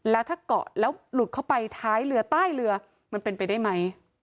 แล้วถ้าเกาะแล้วหลุดเข้าไปท้ายเรือใต้เรือมันเป็นไปได้ไหม